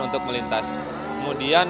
untuk melintas kemudian